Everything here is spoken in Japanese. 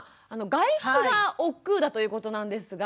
外出がおっくうだということなんですが。